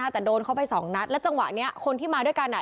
แต่โดนเข้าไปสองนัดแล้วจังหวะนี้คนที่มาด้วยกันอ่ะ